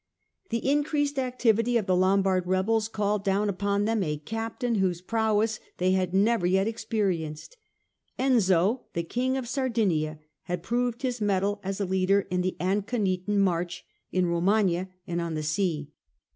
The increased activity of the Lombard rebels called down upon them a captain whose prowess they had never yet experienced. Enzio, the King of Sardinia, had proved his mettle as a leader in the Anconitan March, in Romagna, and on the sea.